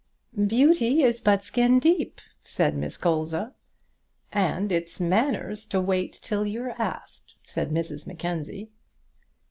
"Beauty is but skin deep," said Miss Colza. "And it's manners to wait till you are asked," said Mrs Mackenzie.